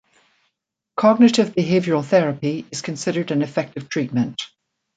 Cognitive behavioral therapy is considered an effective treatment.